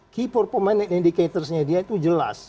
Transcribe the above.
key performante indicatorsnya dia itu jelas